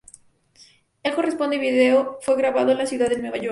El correspondiente vídeo fue grabado en la ciudad de Nueva York.